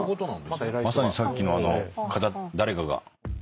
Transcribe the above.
まさにさっきの方誰かが。